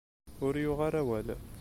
Ur yuɣ ara awal.